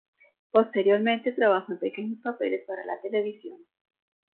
Posteriormente trabajó en pequeños papeles para la televisión.